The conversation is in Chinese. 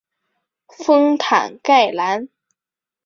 丰坦盖兰。